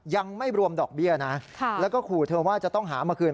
ยังไม่รวมดอกเบี้ยนะแล้วก็ขู่เธอว่าจะต้องหามาคืน